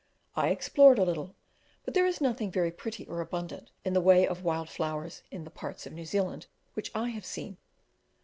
I explored a little, but there is nothing very pretty or abundant in the way of wild flowers in the parts of New Zealand which I have seen.